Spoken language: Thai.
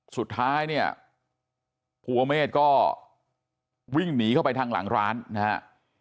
สุดท้ายเนี่ยภูเมฆก็วิ่งหนีเข้าไปทางหลังร้านนะฮะ